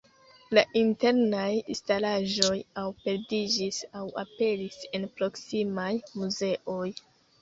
La internaj instalaĵoj aŭ perdiĝis, aŭ aperis en proksimaj muzeoj.